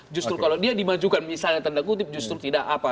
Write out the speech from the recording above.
justru kalau dia dimajukan misalnya tanda kutip justru tidak apa